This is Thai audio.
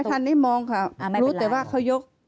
ทันได้มองค่ะรู้แต่ว่าเขายก